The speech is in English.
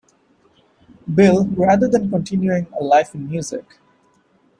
Bill rather than continuing a life in music.